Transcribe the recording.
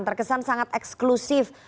terkesan sangat eksklusif